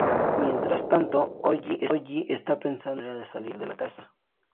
Mientras tanto, Ollie está pensando en una manera de salir de la casa.